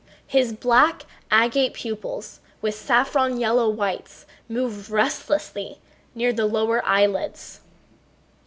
His black, agate pupils with saffron yellow whites moved restlessly near the lower eyelids.